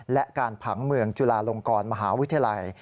และการผังเมืองจุฬาลงกรมหาวิทยาลัย